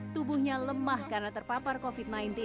tubuhnya lemah karena terpapar covid sembilan belas